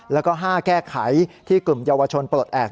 แล้วก็๕แก้ไขที่กลุ่มเยาวชนปลดแอบ